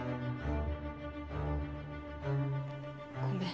ごめん。